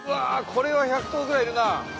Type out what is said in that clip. これは１００頭ぐらいいるな。